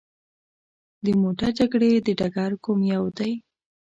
د موته جګړې ډګر کوم یو دی.